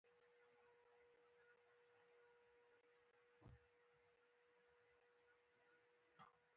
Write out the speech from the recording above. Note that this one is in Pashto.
له درده ډکې تېرې چيغې اورېدل کېدې.